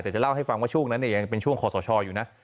แต่จะเล่าให้ฟังว่าช่วงนั้นยังเป็นช่วงคอสชอยู่นะ